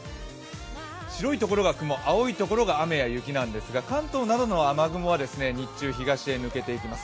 白いところが雲、青いところが雨や雪なんですが、関東などの雨雲は日中東へ抜けていきます。